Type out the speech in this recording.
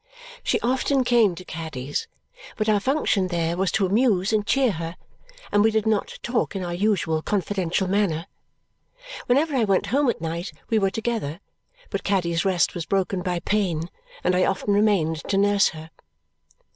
She often came to Caddy's, but our function there was to amuse and cheer her, and we did not talk in our usual confidential manner. Whenever I went home at night we were together, but Caddy's rest was broken by pain, and I often remained to nurse her.